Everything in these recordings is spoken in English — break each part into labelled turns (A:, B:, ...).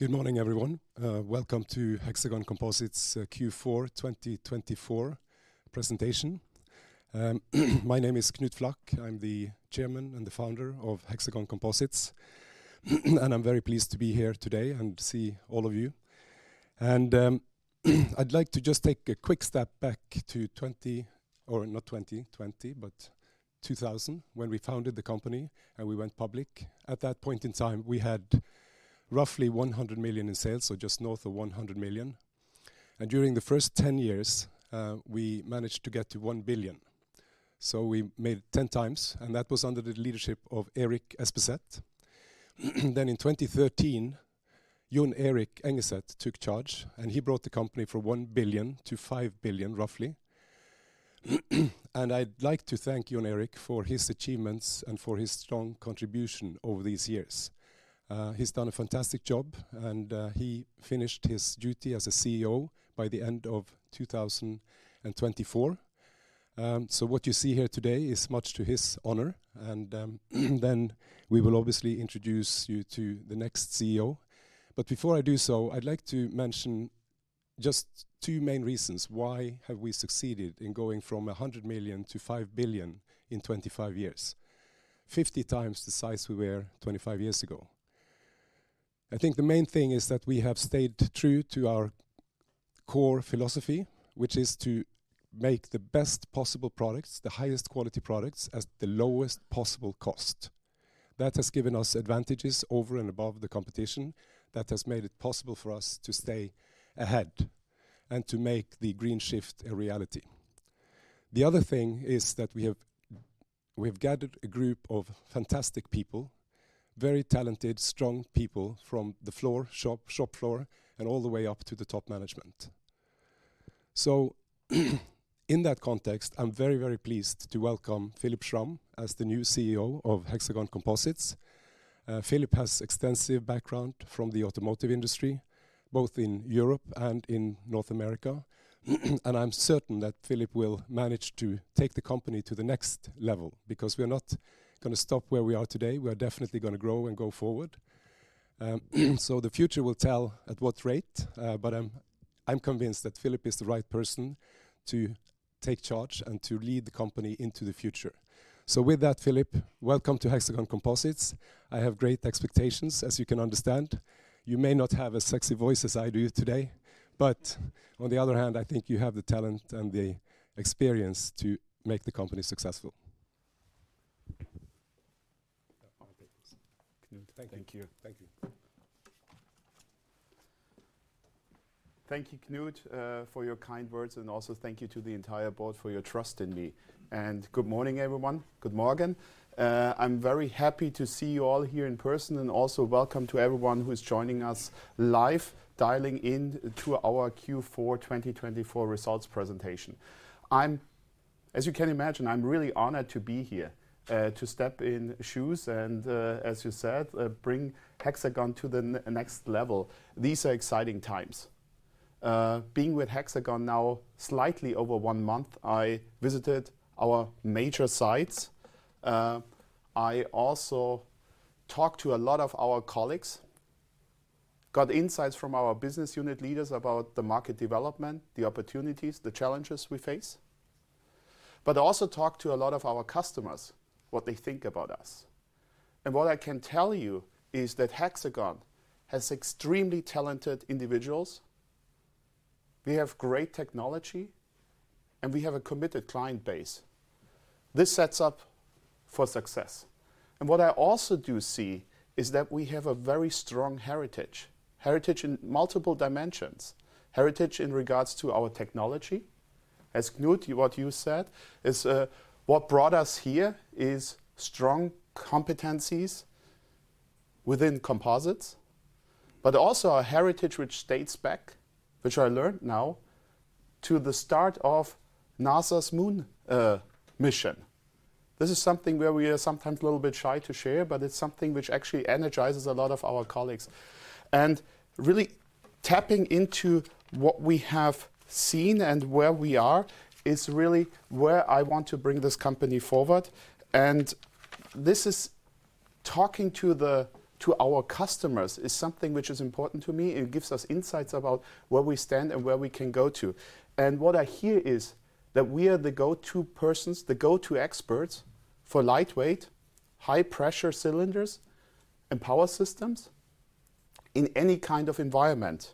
A: Good morning, everyone. Welcome to Hexagon Composites Q4 2024 presentation. My name is Knut Flakk. I'm the chairman and the founder of Hexagon Composites, and I'm very pleased to be here today and see all of you, and I'd like to just take a quick step back to 20 or not 20, 20, but 2000, when we founded the company and we went public. At that point in time, we had roughly 100 million in sales, so just north of 100 million, and during the first 10 years, we managed to get to 1 billion. So we made it 10 times, and that was under the leadership of Erik Espeset. Then in 2013, Jon Erik Engeset took charge, and he brought the company from 1 billion to 5 billion, roughly, and I'd like to thank Jon Erik for his achievements and for his strong contribution over these years. He's done a fantastic job, and he finished his duty as a CEO by the end of 2024. So what you see here today is much to his honor. And then we will obviously introduce you to the next CEO. But before I do so, I'd like to mention just two main reasons why we have succeeded in going from 100 million to 5 billion in 25 years, 50 times the size we were 25 years ago. I think the main thing is that we have stayed true to our core philosophy, which is to make the best possible products, the highest quality products, at the lowest possible cost. That has given us advantages over and above the competition. That has made it possible for us to stay ahead and to make the green shift a reality. The other thing is that we have gathered a group of fantastic people, very talented, strong people from the floor, shop floor, and all the way up to the top management, so in that context, I'm very, very pleased to welcome Philipp Schramm as the new CEO of Hexagon Composites. Philipp has extensive background from the automotive industry, both in Europe and in North America, and I'm certain that Philipp will manage to take the company to the next level because we are not going to stop where we are today. We are definitely going to grow and go forward, so the future will tell at what rate, but I'm convinced that Philipp is the right person to take charge and to lead the company into the future, so with that, Philipp, welcome to Hexagon Composites. I have great expectations, as you can understand. You may not have a sexy voice as I do today, but on the other hand, I think you have the talent and the experience to make the company successful.
B: Thank you. Thank you. Thank you, Knut, for your kind words, and also thank you to the entire board for your trust in me. And good morning, everyone. Guten Morgen. I'm very happy to see you all here in person, and also welcome to everyone who is joining us live, dialing in to our Q4 2024 results presentation. I'm, as you can imagine, I'm really honored to be here, to step in shoes and, as you said, bring Hexagon to the next level. These are exciting times. Being with Hexagon now slightly over one month, I visited our major sites. I also talked to a lot of our colleagues, got insights from our business unit leaders about the market development, the opportunities, the challenges we face. But I also talked to a lot of our customers, what they think about us. And what I can tell you is that Hexagon has extremely talented individuals. We have great technology, and we have a committed client base. This sets up for success. And what I also do see is that we have a very strong heritage, heritage in multiple dimensions, heritage in regards to our technology. As Knut, what you said is, what brought us here is strong competencies within composites, but also a heritage which dates back, which I learned now to the start of NASA's moon mission. This is something where we are sometimes a little bit shy to share, but it's something which actually energizes a lot of our colleagues. And really tapping into what we have seen and where we are is really where I want to bring this company forward. And this is talking to our customers is something which is important to me. It gives us insights about where we stand and where we can go to. And what I hear is that we are the go-to persons, the go-to experts for lightweight, high-pressure cylinders and power systems in any kind of environment.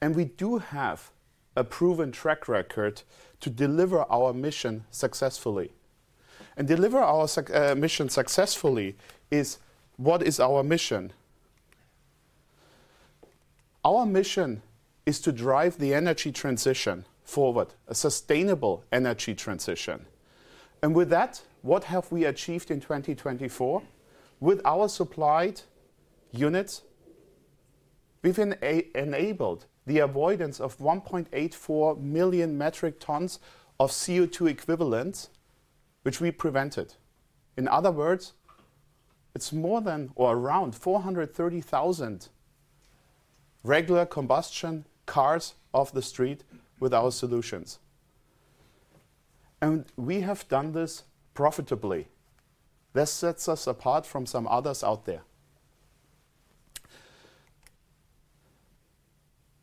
B: And we do have a proven track record to deliver our mission successfully. And deliver our mission successfully is what is our mission? Our mission is to drive the energy transition forward, a sustainable energy transition. And with that, what have we achieved in 2024? With our supplied units, we've enabled the avoidance of 1.84 million metric tons of CO2 equivalents, which we prevented. In other words, it's more than or around 430,000 regular combustion cars off the street with our solutions. And we have done this profitably. This sets us apart from some others out there.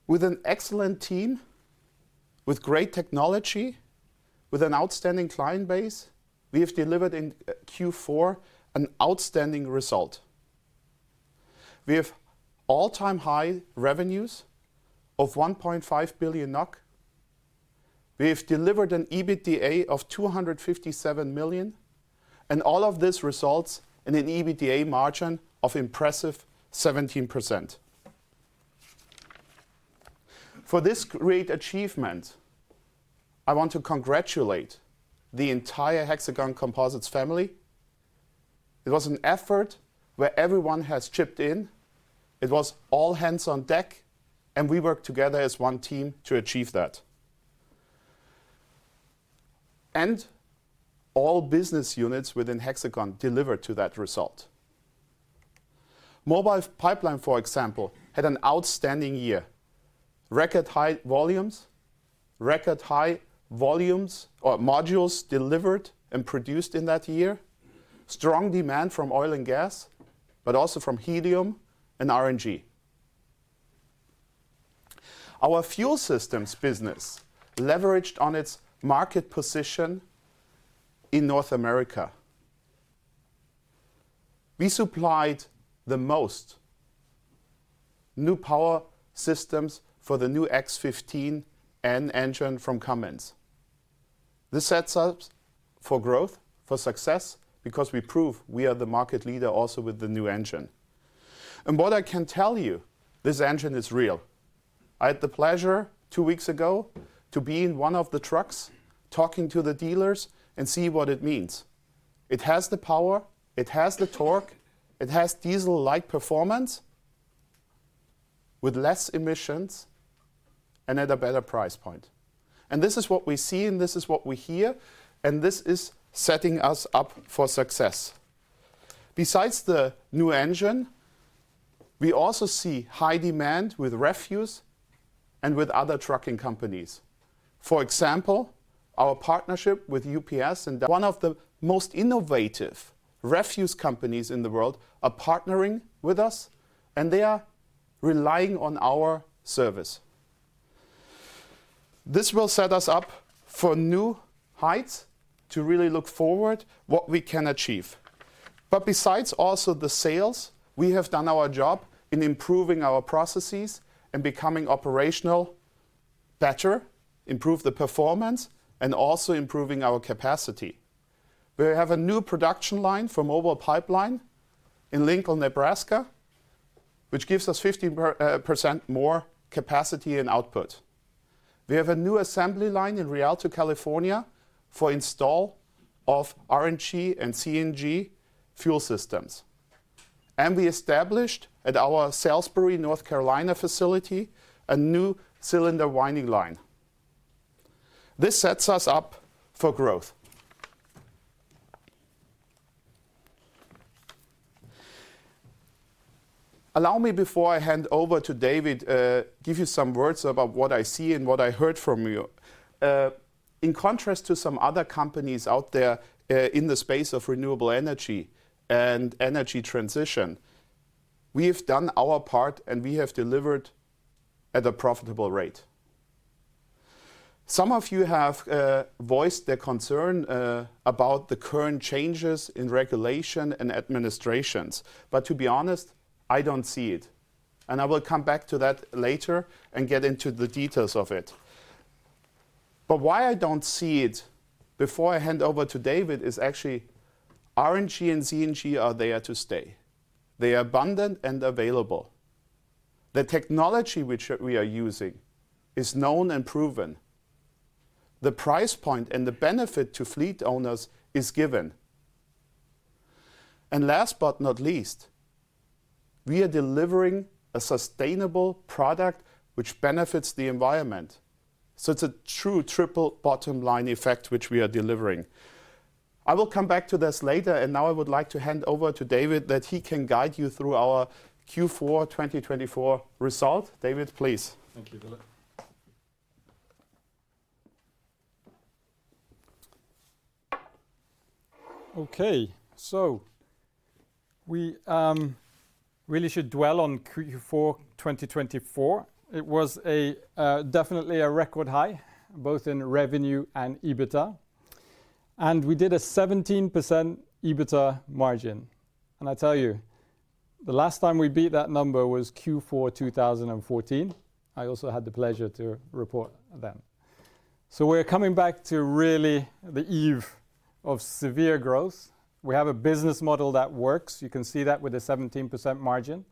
B: With an excellent team, with great technology, with an outstanding client base, we have delivered in Q4 an outstanding result. We have all-time high revenues of 1.5 billion NOK. We have delivered an EBITDA of 257 million, and all of this results in an EBITDA margin of impressive 17%. For this great achievement, I want to congratulate the entire Hexagon Composites family. It was an effort where everyone has chipped in. It was all hands on deck, and we worked together as one team to achieve that. And all business units within Hexagon Composites delivered to that result. Mobile Pipeline, for example, had an outstanding year. Record high volumes, record high volumes or modules delivered and produced in that year. Strong demand from oil and gas, but also from helium and RNG. Our fuel systems business leveraged on its market position in North America. We supplied the most new power systems for the new X15N engine from Cummins. This sets us for growth, for success, because we prove we are the market leader also with the new engine, and what I can tell you, this engine is real. I had the pleasure two weeks ago to be in one of the trucks talking to the dealers and see what it means. It has the power, it has the torque, it has diesel-like performance with less emissions and at a better price point, and this is what we see, and this is what we hear, and this is setting us up for success. Besides the new engine, we also see high demand with refuse and with other trucking companies. For example, our partnership with UPS and one of the most innovative refuse companies in the world are partnering with us, and they are relying on our service. This will set us up for new heights to really look forward to what we can achieve. But besides also the sales, we have done our job in improving our processes and becoming operational better, improving the performance, and also improving our capacity. We have a new production line for Mobile Pipeline in Lincoln, Nebraska, which gives us 15% more capacity and output. We have a new assembly line in Rialto, California for install of RNG and CNG fuel systems. And we established at our Salisbury, North Carolina facility, a new cylinder winding line. This sets us up for growth. Allow me, before I hand over to David, give you some words about what I see and what I heard from you. In contrast to some other companies out there, in the space of renewable energy and energy transition, we have done our part, and we have delivered at a profitable rate. Some of you have voiced their concern about the current changes in regulation and administrations. But to be honest, I don't see it, and I will come back to that later and get into the details of it, but why I don't see it before I hand over to David is actually RNG and CNG are there to stay. They are abundant and available. The technology which we are using is known and proven. The price point and the benefit to fleet owners is given. And last but not least, we are delivering a sustainable product which benefits the environment, so it's a true triple bottom line effect which we are delivering. I will come back to this later. And now I would like to hand over to David that he can guide you through our Q4 2024 result. David, please.
C: Thank you, Philipp. Okay. So we really should dwell on Q4 2024. It was definitely a record high, both in revenue and EBITDA. And we did a 17% EBITDA margin. And I tell you, the last time we beat that number was Q4 2014. I also had the pleasure to report then. So we're coming back to really the eve of severe growth. We have a business model that works. You can see that with a 17% margin.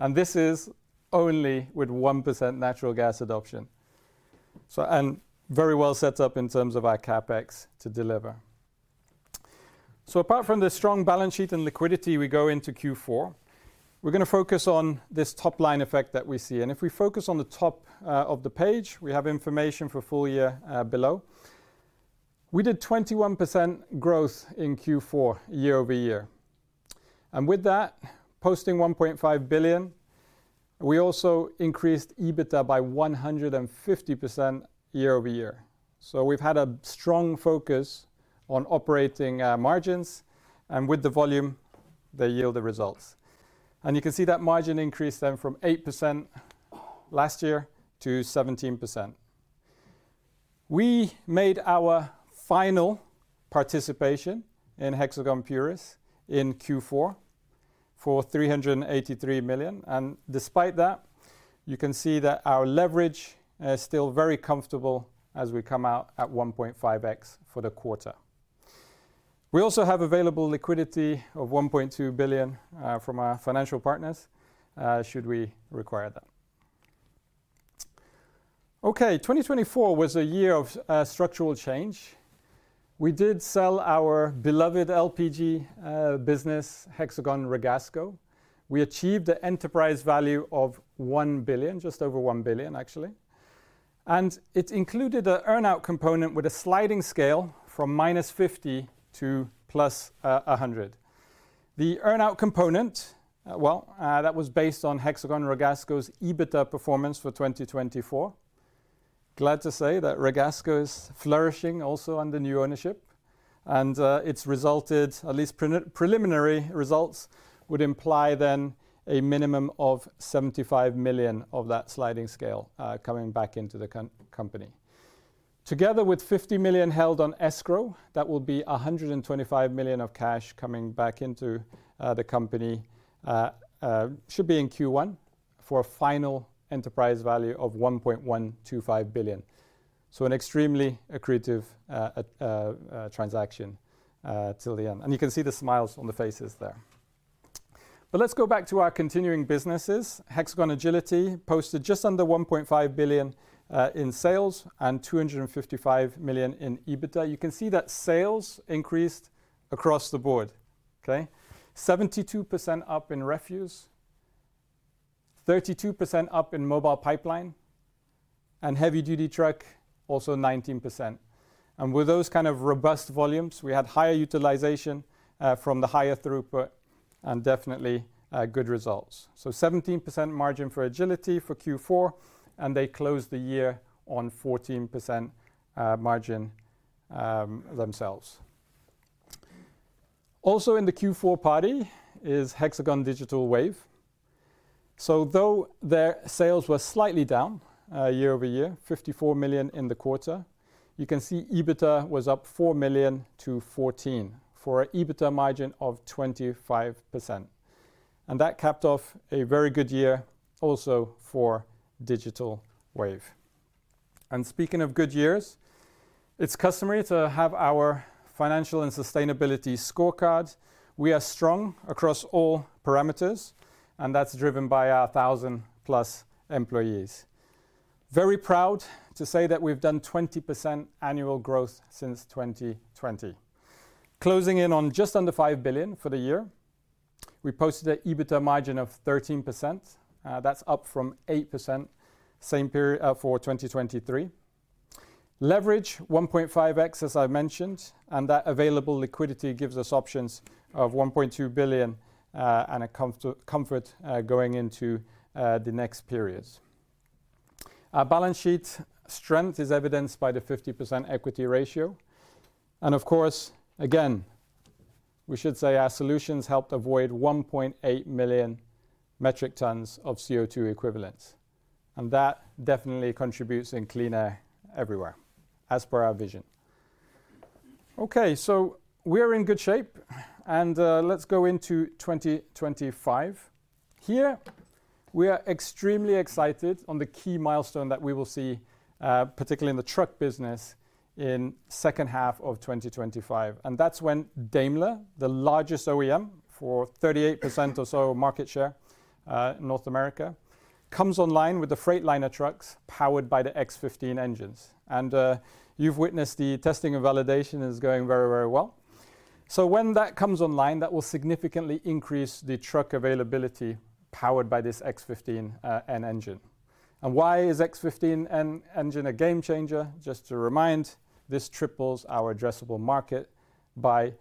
C: And this is only with 1% natural gas adoption. So and very well set up in terms of our CapEx to deliver. So apart from the strong balance sheet and liquidity, we go into Q4. We're going to focus on this top line effect that we see. And if we focus on the top of the page, we have information for full year below. We did 21% growth in Q4 year over year. With that, posting 1.5 billion, we also increased EBITDA by 150% year over year. We've had a strong focus on operating margins. With the volume, they yield the results. You can see that margin increased then from 8% last year to 17%. We made our final participation in Hexagon Purus in Q4 for 383 million. Despite that, you can see that our leverage is still very comfortable as we come out at 1.5x for the quarter. We also have available liquidity of 1.2 billion from our financial partners, should we require that. 2024 was a year of structural change. We did sell our beloved LPG business, Hexagon Ragasco. We achieved an enterprise value of 1 billion, just over 1 billion, actually. It included an earnout component with a sliding scale from minus 50 to plus 100. The earnout component, well, that was based on Hexagon Ragasco's EBITDA performance for 2024. Glad to say that Ragasco is flourishing also under new ownership, and it's resulted, at least preliminary results would imply then a minimum of 75 million of that sliding scale, coming back into the company. Together with 50 million held on escrow, that will be 125 million of cash coming back into the company, should be in Q1 for a final enterprise value of 1.125 billion, so an extremely accretive transaction till the end, and you can see the smiles on the faces there, but let's go back to our continuing businesses. Hexagon Agility posted just under 1.5 billion in sales and 255 million in EBITDA. You can see that sales increased across the board. Okay. 72% up in refuse, 32% up in Mobile Pipeline, and heavy-duty truck also 19%. With those kind of robust volumes, we had higher utilization from the higher throughput and definitely good results. 17% margin for Agility for Q4, and they closed the year on 14% margin themselves. Also in the Q4 party is Hexagon Digital Wave. Though their sales were slightly down year over year, 54 million in the quarter, you can see EBITDA was up 4 million to 14 million for an EBITDA margin of 25%. That capped off a very good year also for Digital Wave. Speaking of good years, it's customary to have our financial and sustainability scorecard. We are strong across all parameters, and that's driven by our 1,000 plus employees. Very proud to say that we've done 20% annual growth since 2020. Closing in on just under 5 billion for the year, we posted an EBITDA margin of 13%. That's up from 8% same period for 2023. Leverage 1.5x, as I mentioned, and that available liquidity gives us options of 1.2 billion and a comfort going into the next periods. Our balance sheet strength is evidenced by the 50% equity ratio and of course, again, we should say our solutions helped avoid 1.8 million metric tons of CO2 equivalents, and that definitely contributes in clean air everywhere as per our vision. Okay, so we are in good shape, and let's go into 2025. Here, we are extremely excited on the key milestone that we will see, particularly in the truck business in the second half of 2025, and that's when Daimler, the largest OEM for 38% or so market share in North America, comes online with the Freightliner trucks powered by the X15N engines, and you've witnessed the testing and validation is going very, very well. So when that comes online, that will significantly increase the truck availability powered by this X15N engine. And why is X15N engine a game changer? Just to remind, this triples our addressable market by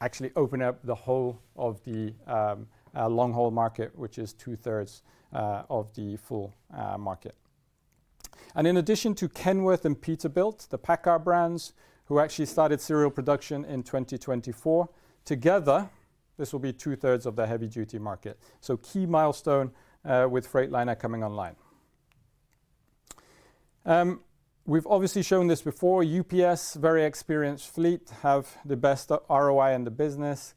C: actually opening up the whole of the long-haul market, which is two-thirds of the full market. And in addition to Kenworth and Peterbilt, the PACCAR brands who actually started serial production in 2024, together this will be two-thirds of the heavy-duty market. So key milestone with Freightliner coming online. We've obviously shown this before. UPS, very experienced fleet, have the best ROI in the business.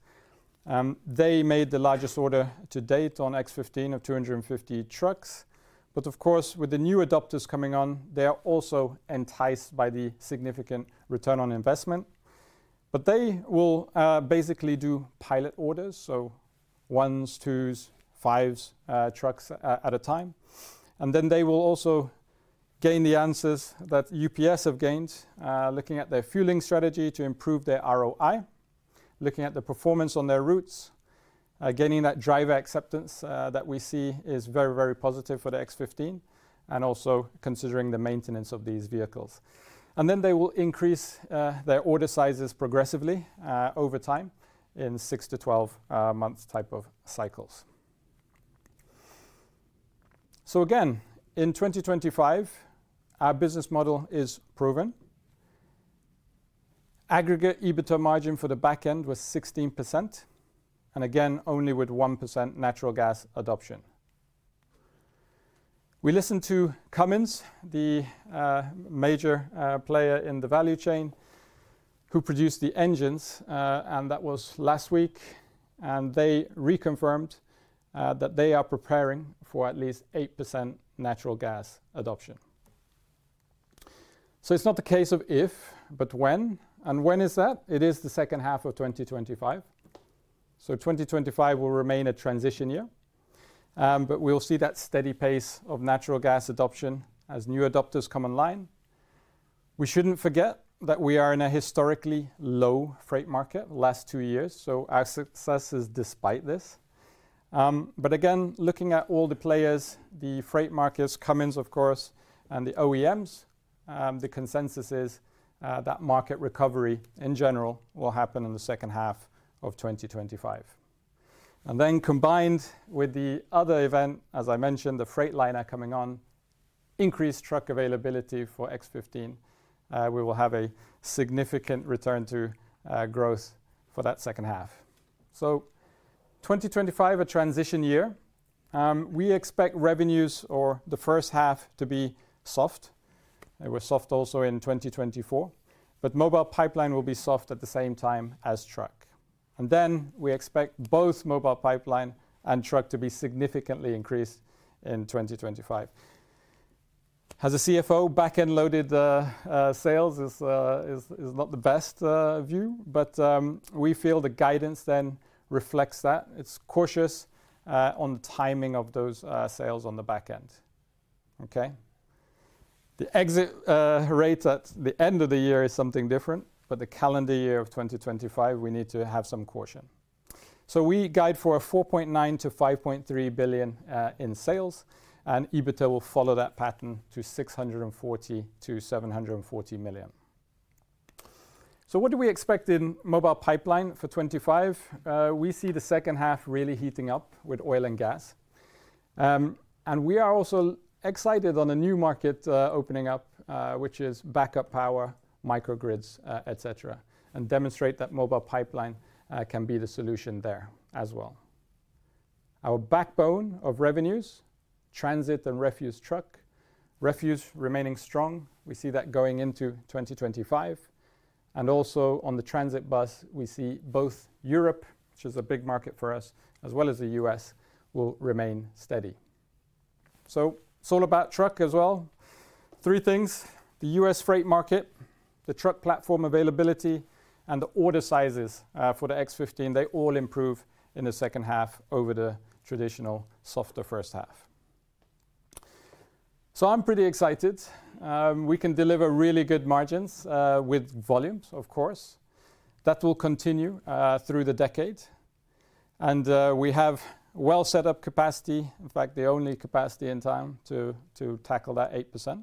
C: They made the largest order to date on X15N of 250 trucks. But of course, with the new adopters coming on, they are also enticed by the significant return on investment. But they will basically do pilot orders, so ones, twos, fives trucks at a time. And then they will also gain the answers that UPS have gained, looking at their fueling strategy to improve their ROI, looking at the performance on their routes, gaining that driver acceptance, that we see is very, very positive for the X15N, and also considering the maintenance of these vehicles. And then they will increase their order sizes progressively over time in 6-12 months type of cycles. So again, in 2025, our business model is proven. Aggregate EBITDA margin for the back end was 16%. And again, only with 1% natural gas adoption. We listened to Cummins, the major player in the value chain who produced the engines, and that was last week. And they reconfirmed that they are preparing for at least 8% natural gas adoption. So it's not the case of if, but when. And when is that? It is the second half of 2025. So, 2025 will remain a transition year, but we'll see that steady pace of natural gas adoption as new adopters come online. We shouldn't forget that we are in a historically low freight market last two years. So our success is despite this, but again, looking at all the players, the freight markets, Cummins, of course, and the OEMs, the consensus is that market recovery in general will happen in the second half of 2025. And then combined with the other event, as I mentioned, the Freightliner coming on, increased truck availability for X15N, we will have a significant return to growth for that second half. So, 2025, a transition year. We expect revenues for the first half to be soft. They were soft also in 2024. But Mobile Pipeline will be soft at the same time as truck. Then we expect both Mobile Pipeline and truck to be significantly increased in 2025. As a CFO, back-end loaded, sales is not the best view. But we feel the guidance then reflects that. It's cautious on the timing of those sales on the back end. Okay. The exit rate at the end of the year is something different. But the calendar year of 2025, we need to have some caution. We guide for 4.9-5.3 billion in sales. EBITDA will follow that pattern to 640-740 million. What do we expect in Mobile Pipeline for 2025? We see the second half really heating up with oil and gas. We are also excited on a new market opening up, which is backup power, microgrids, etc., and demonstrate that Mobile Pipeline can be the solution there as well. Our backbone of revenues, transit and refuse truck refuse remaining strong. We see that going into 2025. Also on the transit bus, we see both Europe, which is a big market for us, as well as the U.S., will remain steady. It's all about trucks as well. Three things: the U.S. freight market, the truck platform availability, and the order sizes, for the X15N. They all improve in the second half over the traditional softer first half. So I'm pretty excited. We can deliver really good margins, with volumes, of course. That will continue, through the decade. We have well-set up capacity. In fact, the only capacity in time to tackle that 8%.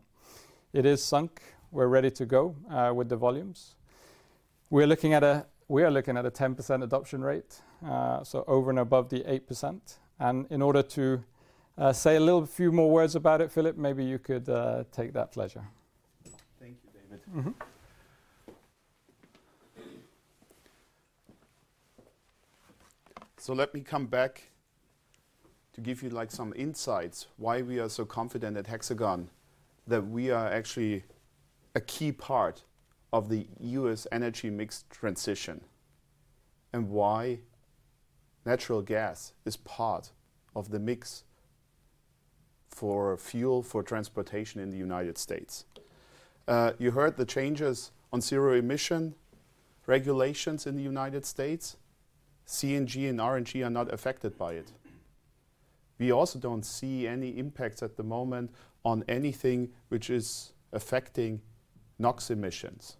C: It is sunk. We're ready to go, with the volumes. We're looking at a 10% adoption rate, so over and above the 8%. And in order to say a little few more words about it, Philipp, maybe you could take that pleasure.
B: Thank you, David. So let me come back to give you like some insights why we are so confident at Hexagon that we are actually a key part of the U.S. energy mix transition and why natural gas is part of the mix for fuel for transportation in the United States. You heard the changes on zero emission regulations in the United States. CNG and RNG are not affected by it. We also don't see any impacts at the moment on anything which is affecting NOx emissions.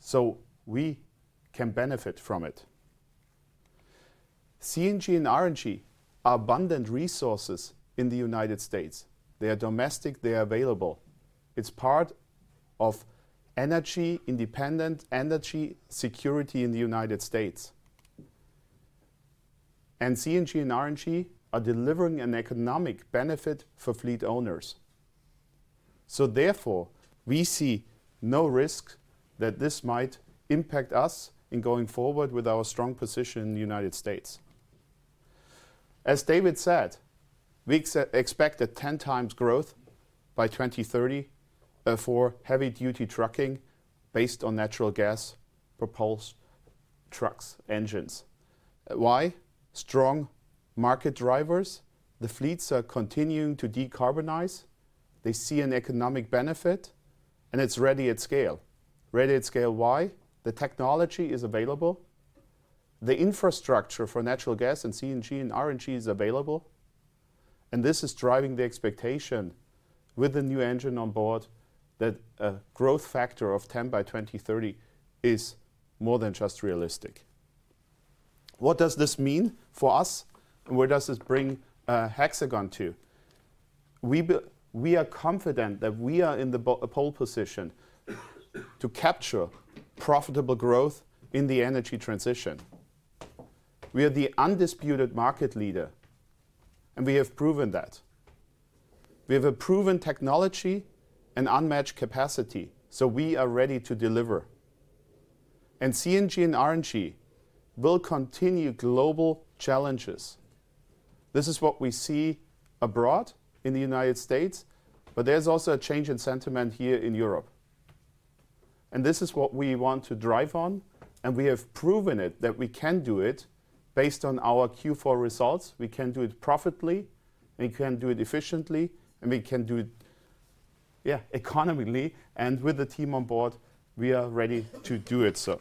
B: So we can benefit from it. CNG and RNG are abundant resources in the United States. They are domestic. They are available. It's part of energy independent energy security in the United States. CNG and RNG are delivering an economic benefit for fleet owners. Therefore, we see no risk that this might impact us in going forward with our strong position in the United States. As David said, we expect a 10 times growth by 2030, for heavy-duty trucking based on natural gas propelled truck engines. Why? Strong market drivers. The fleets are continuing to decarbonize. They see an economic benefit. It's ready at scale. Ready at scale. Why? The technology is available. The infrastructure for natural gas and CNG and RNG is available. This is driving the expectation with the new engine on board that a growth factor of 10 by 2030 is more than just realistic. What does this mean for us? Where does this bring Hexagon to? We are confident that we are in the pole position to capture profitable growth in the energy transition. We are the undisputed market leader. And we have proven that. We have a proven technology and unmatched capacity. So we are ready to deliver. And CNG and RNG will continue global challenges. This is what we see abroad in the United States. But there's also a change in sentiment here in Europe. And this is what we want to drive on. And we have proven it that we can do it based on our Q4 results. We can do it profitably. We can do it efficiently. And we can do it, yeah, economically. And with the team on board, we are ready to do it. So,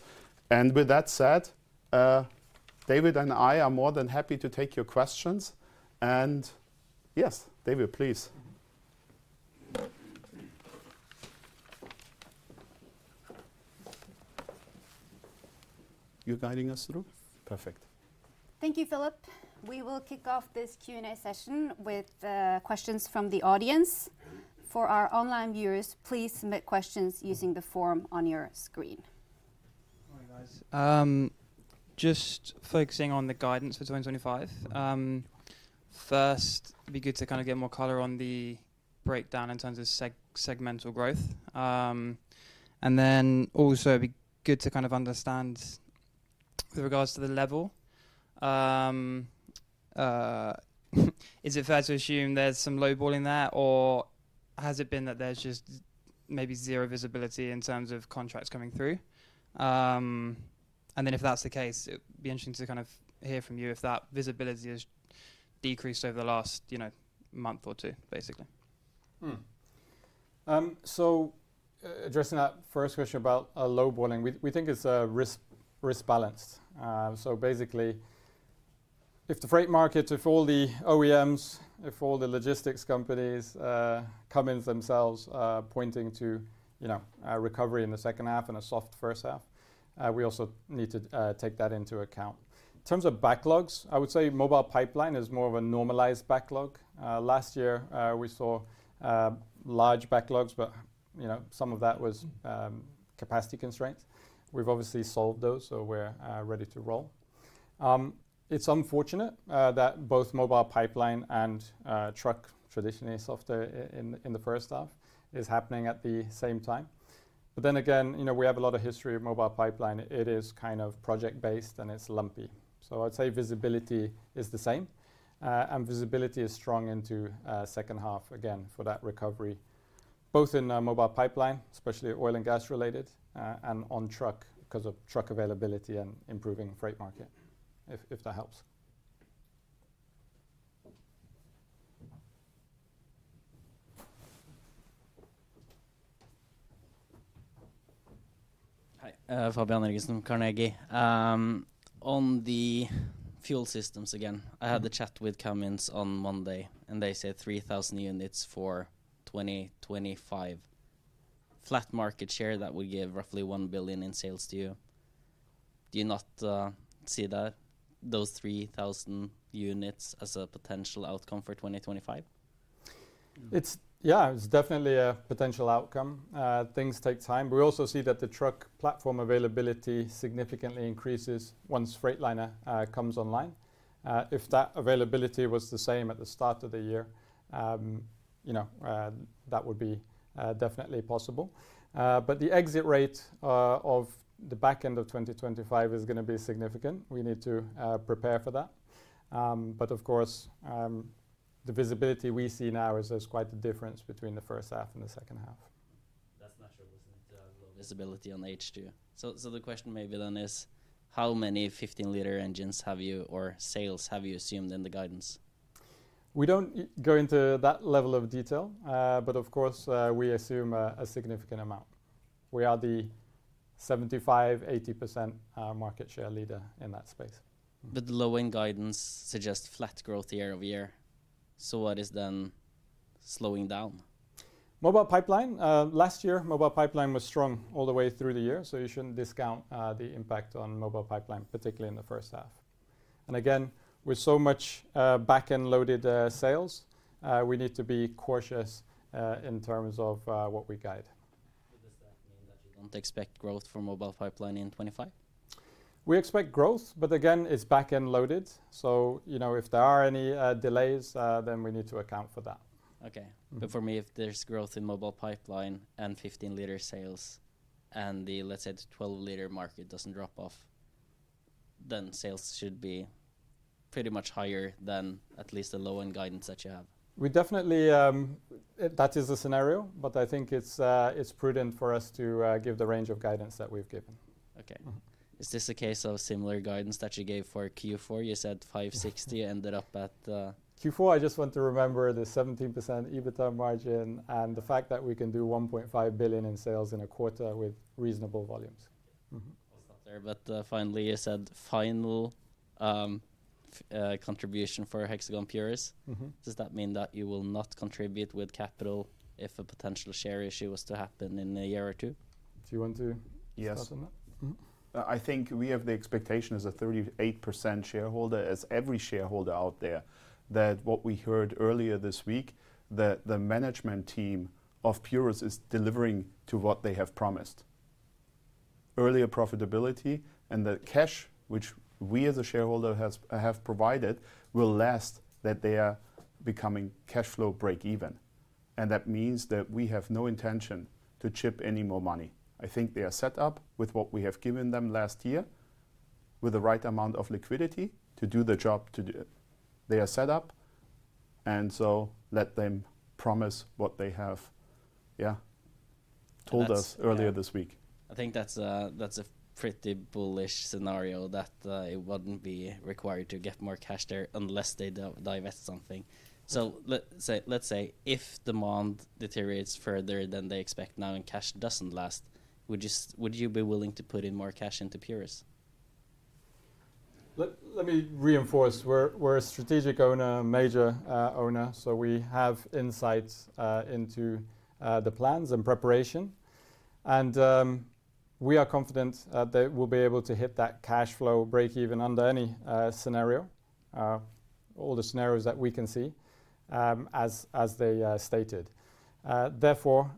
B: and with that said, David and I are more than happy to take your questions. And yes, David, please. You're guiding us through.
C: Perfect.
D: Thank you, Philipp. We will kick off this Q&A session with questions from the audience. For our online viewers, please submit questions using the form on your screen. All right, guys. Just focusing on the guidance for 2025. First, it'd be good to kind of get more color on the breakdown in terms of segmental growth. And then also it'd be good to kind of understand with regards to the level. Is it fair to assume there's some low ball in there or has it been that there's just maybe zero visibility in terms of contracts coming through? And then if that's the case, it'd be interesting to kind of hear from you if that visibility has decreased over the last, you know, month or two, basically.
C: So addressing that first question about low balling, we think it's risk balanced. So basically, if the freight market, if all the OEMs, if all the logistics companies, Cummins themselves, pointing to, you know, recovery in the second half and a soft first half, we also need to take that into account. In terms of backlogs, I would say Mobile Pipeline is more of a normalized backlog. Last year, we saw large backlogs, but, you know, some of that was capacity constraints. We've obviously solved those. So we're ready to roll. It's unfortunate that both Mobile Pipeline and truck traditionally soft in the first half is happening at the same time. But then again, you know, we have a lot of history of Mobile Pipeline. It is kind of project-based and it's lumpy. So I'd say visibility is the same. And visibility is strong into second half again for that recovery, both in Mobile Pipeline, especially oil and gas related, and on truck because of truck availability and improving freight market, if that helps.
E: Hi, Fabian Jørgensen, Carnegie. On the fuel systems again, I had a chat with Cummins on Monday and they said 3,000 units for 2025 flat market share that would give roughly 1 billion in sales to you. Do you not see that those 3,000 units as a potential outcome for 2025?
C: It's yeah, it's definitely a potential outcome. Things take time. We also see that the truck platform availability significantly increases once Freightliner comes online. If that availability was the same at the start of the year, you know, that would be definitely possible. But the exit rate of the back end of 2025 is going to be significant. We need to prepare for that. But of course, the visibility we see now is quite the difference between the first half and the second half.
E: That's natural within the visibility on H2. So the question maybe then is how many 15-liter engines have you or sales have you assumed in the guidance?
C: We don't go into that level of detail. But of course, we assume a significant amount. We are the 75-80% market share leader in that space. But the low-end guidance suggests flat growth year over year. So what is then slowing down? Mobile Pipeline, last year Mobile Pipeline was strong all the way through the year. So you shouldn't discount the impact on Mobile Pipeline, particularly in the first half. And again, with so much back-end loaded sales, we need to be cautious in terms of what we guide.
E: Does that mean that you don't expect growth for Mobile Pipeline in 2025?
C: We expect growth, but again, it's back-end loaded. So, you know, if there are any delays, then we need to account for that.
E: Okay. But for me, if there's growth in Mobile Pipeline and 15 liter sales and the, let's say, the 12-liter market doesn't drop off, then sales should be pretty much higher than at least the low-end guidance that you have.
C: We definitely, that is a scenario, but I think it's, it's prudent for us to give the range of guidance that we've given.
E: Okay. Is this a case of similar guidance that you gave for Q4? You said 560 ended up at Q4.
C: I just want to remember the 17% EBITDA margin and the fact that we can do 1.5 billion in sales in a quarter with reasonable volumes.
E: I'll stop there. But finally, you said final contribution for Hexagon Purus. Does that mean that you will not contribute with capital if a potential share issue was to happen in a year or two?
C: Do you want to discuss on that?
B: I think we have the expectation as a 38% shareholder, as every shareholder out there, that what we heard earlier this week, that the management team of Purus is delivering to what they have promised. Earlier profitability and the cash, which we as a shareholder have provided, will last that they are becoming cash flow break even. And that means that we have no intention to chip in any more money. I think they are set up with what we have given them last year with the right amount of liquidity to do the job to do it. They are set up. And so let them promise what they have, yeah, told us earlier this week.
E: I think that's a pretty bullish scenario that it wouldn't be required to get more cash there unless they divest something. So let's say if demand deteriorates further than they expect now and cash doesn't last, would you be willing to put in more cash into Hexagon Purus?
C: Let me reinforce we're a strategic owner, major owner. So we have insights into the plans and preparation. We are confident that we'll be able to hit that cash flow break even under any scenario, all the scenarios that we can see, as they stated. Therefore,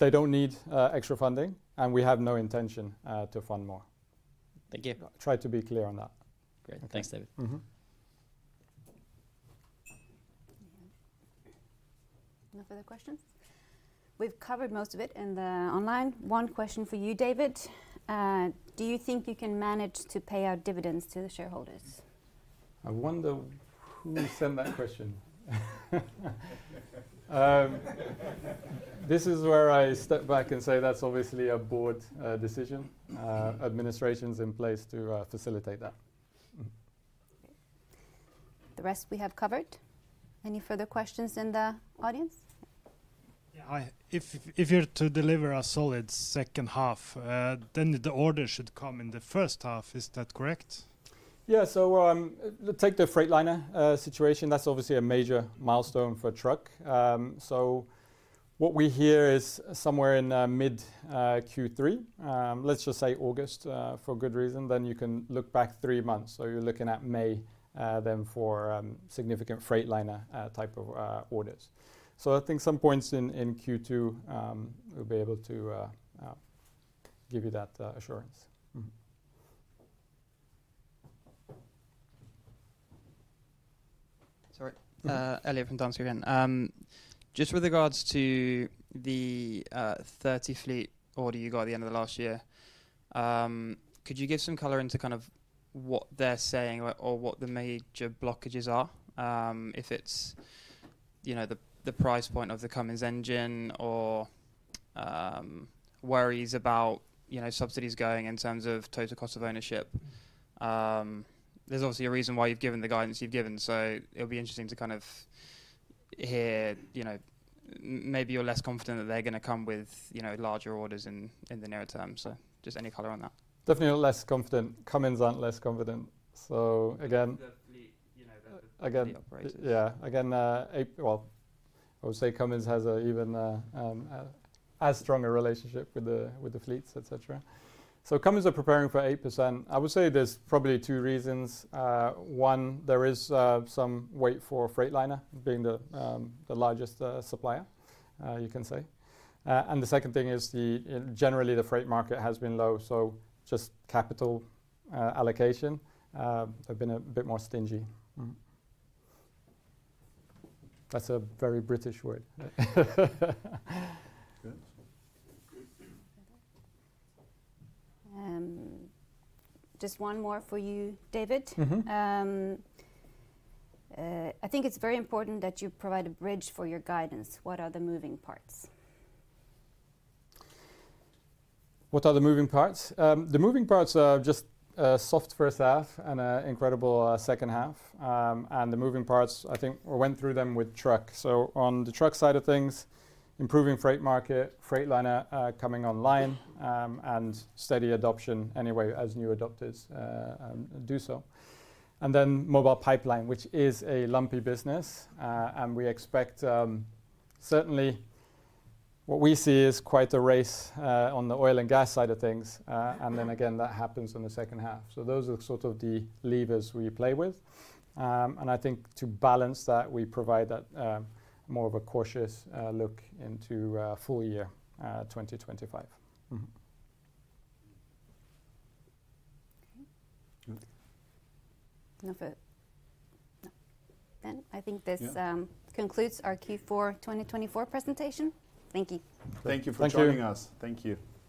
C: they don't need extra funding and we have no intention to fund more.
E: Thank you.
C: Try to be clear on that.
E: Great. Thanks, David.
D: No further questions. We've covered most of it in the online. One question for you, David. Do you think you can manage to pay out dividends to the shareholders?
C: I wonder who sent that question. This is where I step back and say that's obviously a board decision. Administration's in place to facilitate that. Okay. The rest we have covered. Any further questions in the audience? Yeah. Hi, if you're to deliver a solid second half, then the order should come in the first half. Is that correct? Yeah. So, let's take the Freightliner situation. That's obviously a major milestone for truck. So what we hear is somewhere in mid Q3, let's just say August, for good reason, then you can look back three months. So you're looking at May, then for significant Freightliner type of orders. So I think some points in Q2, we'll be able to give you that assurance.
E: Sorry. Earlier from Danske Bank, just with regards to the 30 fleet order you got at the end of the last year, could you give some color into kind of what they're saying or what the major blockages are? If it's you know the price point of the Cummins engine or worries about you know subsidies going in terms of total cost of ownership. There's obviously a reason why you've given the guidance you've given. So it'll be interesting to kind of hear you know maybe you're less confident that they're going to come with you know larger orders in the nearer term. So just any color on that?
C: Definitely less confident. Cummins aren't less confident. So again, definitely, you know, well, I would say Cummins has an even as strong a relationship with the fleets, et cetera. So Cummins are preparing for 8%. I would say there's probably two reasons. One, there is some weight for Freightliner being the largest supplier, you can say. And the second thing is generally the freight market has been low. So just capital allocation have been a bit more stingy. That's a very British word.
D: Just one more for you, David. I think it's very important that you provide a bridge for your guidance. What are the moving parts?
C: The moving parts are just soft first half and incredible second half. And the moving parts, I think we went through them with truck. So, on the truck side of things, improving freight market, Freightliner coming online, and steady adoption anyway as new adopters do so, and then Mobile Pipeline, which is a lumpy business, and we expect certainly what we see is quite a race on the oil and gas side of things, and then again that happens in the second half, so those are sort of the levers we play with, and I think to balance that we provide that more of a cautious look into full year 2025.
D: Okay. No further. Then I think this concludes our Q4 2024 presentation. Thank you.
C: Thank you for joining us. Thank you.